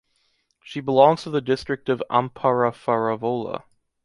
She belongs to the District of Amparafaravola.